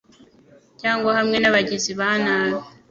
cyangwa hamwe n’abagizi ba nabi